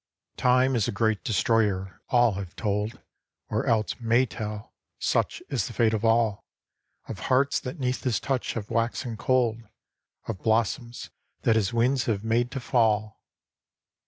TIME is a great Destroyer — all have told, Or else may tell (such is the fate of all !) Of hearts that 'neath his touch have waxen cold, Of blossoms that his winds have made to fall